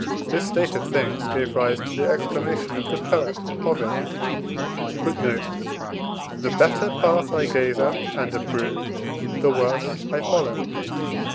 This state of things gave rise to the exclamation of the poet: "The better path I gaze at and approve, The worse I follow."